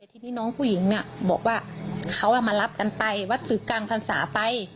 ทีนี้น้องผู้หญิงบอกว่าเขามารับกันไปว่าศึกกลางพรรษาไป